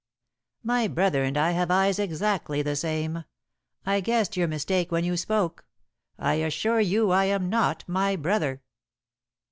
"My brother and I have eyes exactly the same. I guessed your mistake when you spoke. I assure you I am not my brother."